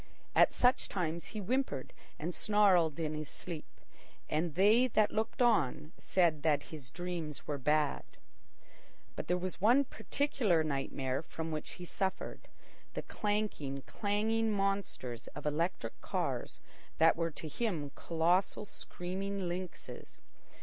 At such times he whimpered and snarled in his sleep, and they that looked on said that his dreams were bad. But there was one particular nightmare from which he suffered—the clanking, clanging monsters of electric cars that were to him colossal screaming lynxes.